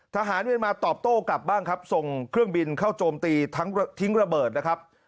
ทหารเมียนมาตอบโต้กลับบ้างครับส่งเครื่องบินเข้าโจมตีทั้งทิ้งระเบิดนะครับ